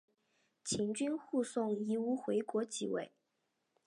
秦军护送夷吾回国即位。